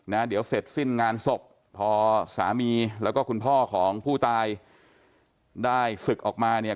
นะเดี๋ยวเสร็จสิ้นงานศพพอสามีแล้วก็คุณพ่อของผู้ตายได้ศึกออกมาเนี่ย